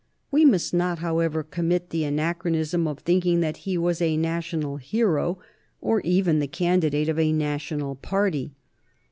We must not, however, commit the anachronism of thinking that he was a na tional hero or even the candidate of a national party.